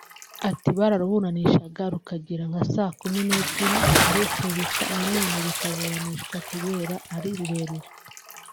Ati Bararuburanishaga rukagera nka saa kumi n’ebyiri bakarusubika nanone rukaburanishwa kubera ari rurerure